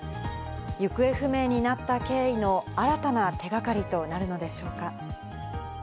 行方不明になった経緯の新たな手がかりとなるのでしょうか。